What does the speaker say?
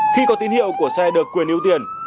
khi có tín hiệu của xe được quyền ưu tiên